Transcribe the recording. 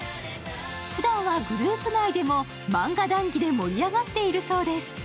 ふだんはグループ内でもマンガ談義で盛り上がっているそうです。